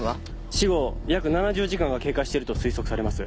死後約７０時間が経過していると推測されます。